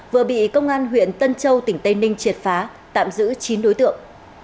vừa bị công an huyện tân châu tỉnh tây ninh triệt phá tạm giữ chín đối tượng